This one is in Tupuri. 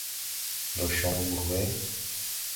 Ndɛ cɔŋ wur wɛ ?